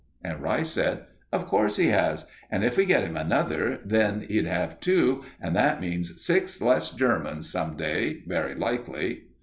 And Rice said: "Of course he has. And if we get him another, then he'd have two, and that means six less Germans some day, very likely."